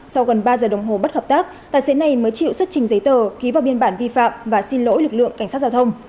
sau gần ba giờ đồng hồ bất hợp tác tài xế này mới chịu xuất trình giấy tờ ký vào biên bản vi phạm và xin lỗi lực lượng cảnh sát giao thông